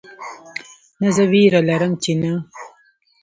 نه زه ویره لرم چې نه